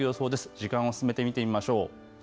時間を進めて見てみましょう。